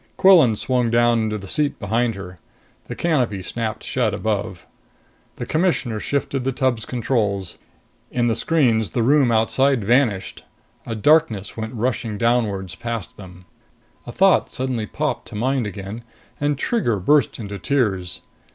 Quillan swung down into the seat behind her. The canopy snapped shut above. The Commissioner shifted the tub's controls. In the screens, the room outside vanished. A darkness went rushing downwards past them. A thought suddenly popped to mind again, and Trigger burst into tears.